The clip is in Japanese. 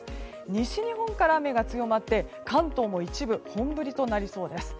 西日本から雨が強まって関東も一部本降りとなりそうです。